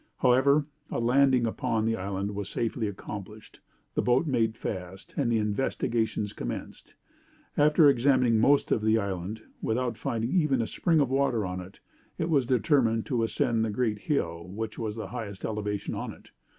However a landing upon the island was safely accomplished, the boat made fast and the investigations commenced. After examining most of the island without finding even a spring of water on it, it was determined to ascend the great hill which was the highest elevation on it.